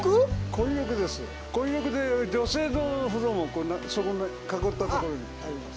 混浴で女性の風呂もそこの囲った所にありますけど。